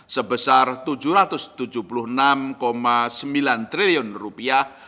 sebesar tujuh ratus tujuh puluh enam sembilan triliun rupiah